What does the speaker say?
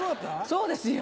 そうですよ！